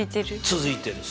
続いてる。